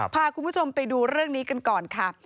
พาคุณผู้ชมไปดูเรื่องนี้กันก่อนค่ะ